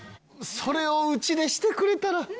それをうちでしてくれたら。